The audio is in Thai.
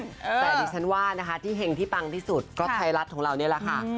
แต่ดิฉันว่านะคะที่เห็งที่ปังที่สุดก็ไทยรัฐของเรานี่แหละค่ะ